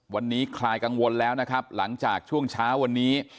วันนี้คลายกังวลแล้วนะครับหลังจากช่วงเช้าวันนี้